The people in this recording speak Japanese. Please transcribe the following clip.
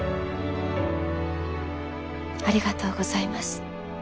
ありがとうございます。